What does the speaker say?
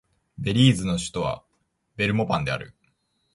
ベリーズの首都はベルモパンである